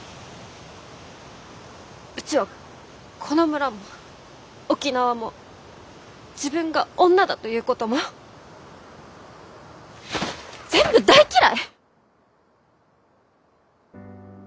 うちはこの村も沖縄も自分が女だということも全部大嫌い！